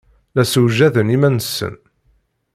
La ssewjaden iman-nsen.